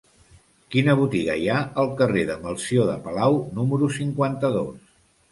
Quina botiga hi ha al carrer de Melcior de Palau número cinquanta-dos?